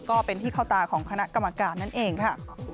ก็เป็นที่เข้าตาของคณะกรรมการนั่นเองค่ะ